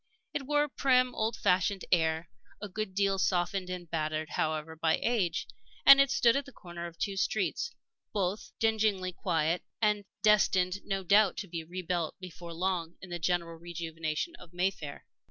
It wore a prim, old fashioned air, a good deal softened and battered, however, by age, and it stood at the corner of two streets, both dingily quiet, and destined, no doubt, to be rebuilt before long in the general rejuvenation of Mayfair.